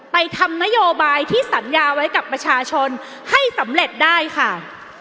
ทำนโยบายที่สัญญาไว้กับประชาชนให้สำเร็จได้ค่ะ